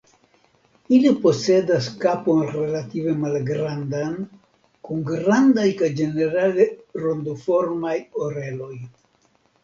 Ili posedas kapon relative malgrandan kun grandaj kaj ĝenerale rondoformaj oreloj.